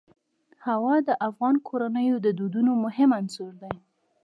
هوا د افغان کورنیو د دودونو مهم عنصر دی.